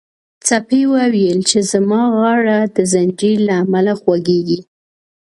سپي وویل چې زما غاړه د زنځیر له امله خوږیږي.